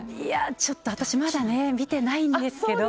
ちょっと私まだ見てないんですけど。